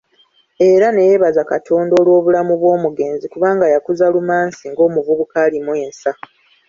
Era ne yeebaza Katonda olw’obulamu bw’omugenzi kubanga yakuza Lumansi ng'omuvubuka alimu ensa.